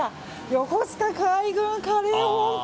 横須賀海軍カレー本舗。